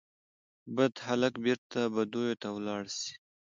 بد هلک بیرته بدیو ته ولاړ سي